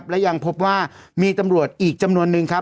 และยังพบว่ามีตำรวจอีกจำนวนนึงครับ